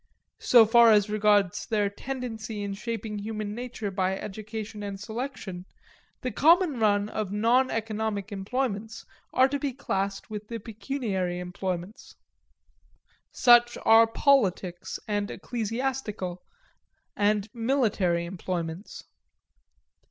So far as regards their tendency in shaping human nature by education and selection, the common run of non economic employments are to be classed with the pecuniary employments. Such are politics and ecclesiastical and military employments.